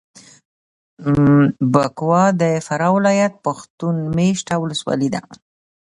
بکوا د فراه ولایت پښتون مېشته ولسوالي ده.